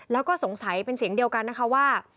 แล้วก็สงสัยเป็นเสียงเดียวกันนะคะว่า